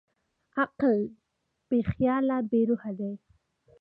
عقل بېخیاله بېروحه دی.